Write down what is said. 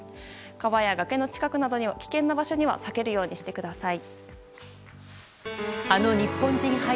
川や崖の近くなど危険な場所は避けるようにしてください。